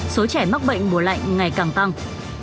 số trẻ mắc bệnh mùa lạnh ngày càng tăng